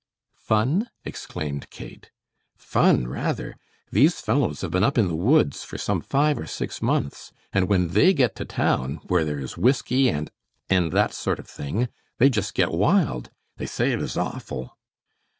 "Fun!" exclaimed Kate. "Fun! rather. These fellows have been up in the woods for some five or six months, and when they get to town where there is whisky and and that sort of thing, they just get wild. They say it is awful."